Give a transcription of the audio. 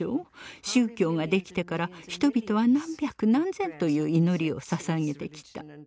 宗教ができてから人々は何百何千という祈りをささげてきた。